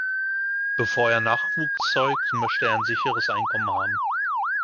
Bevor er Nachwuchs zeugt, möchte er ein sicheres Einkommen haben.